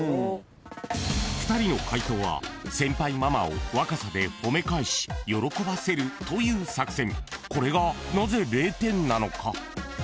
［２人の解答は先輩ママを若さで褒め返し喜ばせるという作戦］